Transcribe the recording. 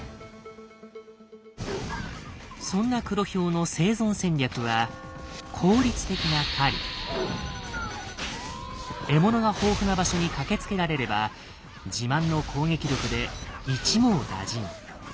そんなクロヒョウの生存戦略は獲物が豊富な場所に駆けつけられれば自慢の攻撃力で一網打尽。